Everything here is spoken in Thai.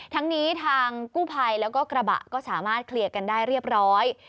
ทั้งนี้ทางกู้ภัยแล้วก็กระบะก็สามารถเคลียร์กันได้เรียบร้อย